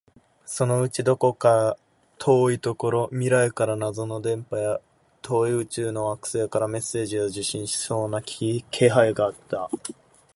そのうちどこか遠いところ、未来から謎の電波や、遠い宇宙の惑星からメッセージを受信しそうな気配があった